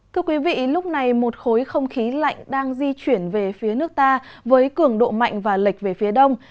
thưa quý vị lúc này một khối không khí lạnh đang di chuyển về phía nước ta với cường độ mạnh và lệch về phía đông